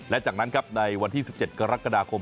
และจากนั้นครับในวันที่๑๗กรกฎาคม